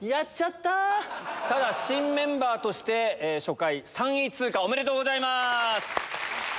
ただ新メンバーとして初回３位通過おめでとうございます。